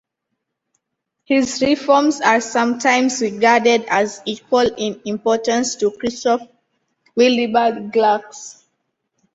His reforms are sometimes regarded as equal in importance to Christoph Willibald Gluck's.